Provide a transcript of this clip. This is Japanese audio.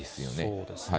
そうですね。